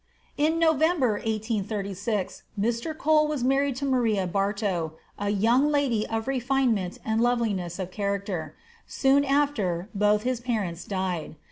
In November, 1836, Mr. Cole was married to Maria Bartow, a young lady of refinement and loveliness of character. Soon after, both of his parents died.